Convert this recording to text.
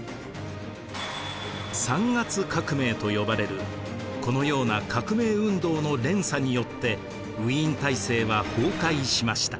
三月革命と呼ばれるこのような革命運動の連鎖によってウィーン体制は崩壊しました。